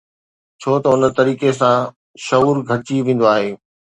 ڇو ته ان طريقي سان شعور گهٽجي ويندو آهي